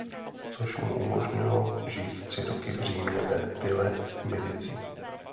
Což mu umožnilo žít tři roky v Římě ve Ville Medici.